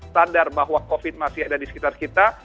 sadar bahwa covid masih ada di sekitar kita